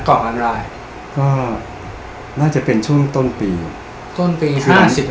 ก่อการร้ายก็น่าจะเป็นช่วงต้นปีต้นปีห้าสิบก้าว